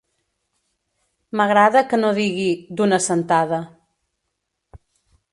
M'agrada que no digui “d'una sentada”.